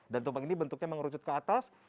dan tumpeng ini bentuknya mengerucut ke atas